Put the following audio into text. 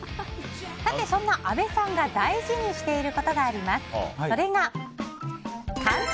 そんな阿部さんが大事にしていることがあります。